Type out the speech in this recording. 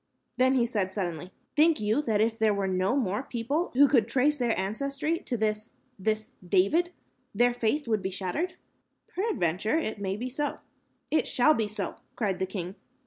Then he said suddenly, "Think you that if there were no more people who could trace their ancestry to this this David, their faith would be shattered?" "Peradventure, it may be so." "It shall be so," cried the king.